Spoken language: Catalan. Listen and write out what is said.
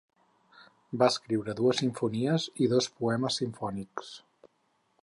Va escriure dues simfonies i dos poemes simfònics.